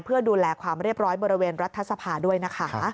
เพื่อดูแลความเรียบร้อยบริเวณรัฐสภาด้วยนะคะ